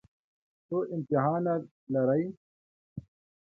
څو امتحانه لرئ؟